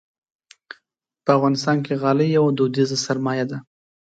په افغانستان کې غالۍ یوه دودیزه سرمایه ده.